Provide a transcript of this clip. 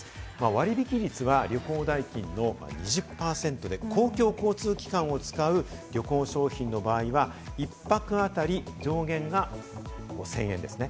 割引率は旅行代金の２０％で公共交通機関を使う旅行商品の場合は、一泊あたり上限が５０００円ですね。